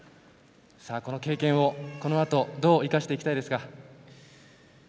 この経験をこのあとどう生かしていきたいですか。